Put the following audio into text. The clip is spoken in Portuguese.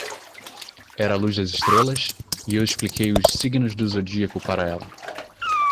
Era a luz das estrelas? e eu expliquei os Signos do Zodíaco para ela.